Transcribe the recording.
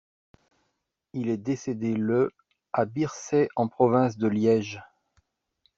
Il est décédé le à Bierset en province de Liège.